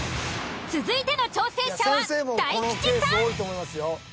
続いての挑戦者は大吉さん。